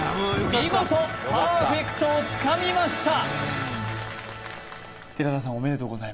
見事パーフェクトをつかみました